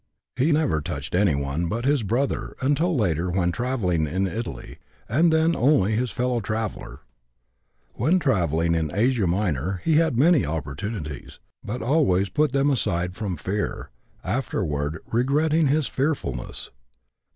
He never touched anyone but his brother until later when travelling in Italy, and then only his fellow traveller. When travelling in Asia Minor he had many opportunities, but always put them aside from fear, afterward regretting his fearfulness.